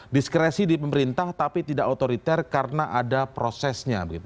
diskresi di pemerintah tapi tidak otoriter karena ada prosesnya